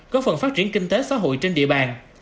góp phần phát triển kinh tế xã hội trên địa bàn